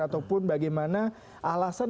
ataupun bagaimana alasan